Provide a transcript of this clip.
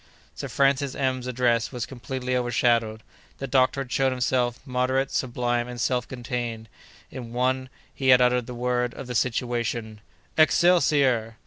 Sir Francis M——'s address was completely overshadowed. The doctor had shown himself moderate, sublime, and self contained, in one; he had uttered the word of the situation— "Excelsior!"